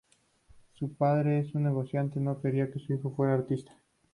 Su padre, un negociante no quería que su hijo fuera artista.